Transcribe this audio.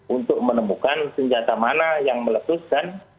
untuk menemukan senjata mana yang meletus dan